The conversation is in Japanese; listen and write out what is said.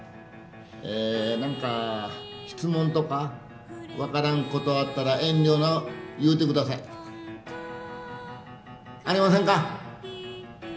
え何か質問とか分からんことあったら遠慮のう言うてください。ありませんか？